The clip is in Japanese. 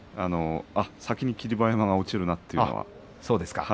先に霧馬山が落ちるなということが。